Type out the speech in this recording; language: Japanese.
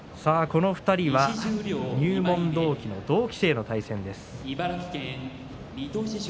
この２人は入門同期の同期生の対戦です。